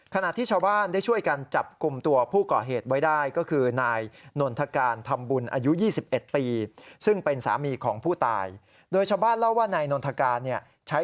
ขณะที่ชาวบ้านได้ช่วยกันจับกลุ่มตัวผู้ก่อเหตุไว้ได้